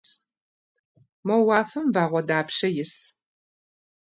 Мо уафэм вагъуэ дапщэ ис?